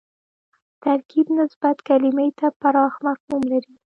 ترکیب نسبت کلیمې ته پراخ مفهوم لري